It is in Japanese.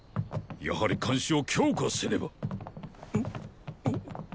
やはり監視を強化せねばん？